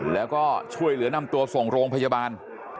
แล้วก็ช่วยเหลือนำตัวส่งโรงพยาบาล